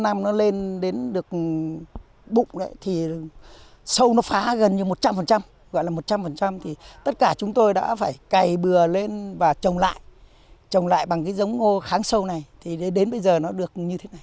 năm nó lên đến được bụng đấy thì sâu nó phá gần như một trăm linh gọi là một trăm linh thì tất cả chúng tôi đã phải cày bừa lên và trồng lại trồng lại bằng cái giống ngô kháng sâu này thì đến bây giờ nó được như thế này